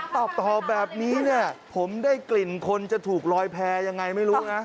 ตอบต่อแบบนี้เนี่ยผมได้กลิ่นคนจะถูกลอยแพร่ยังไงไม่รู้นะ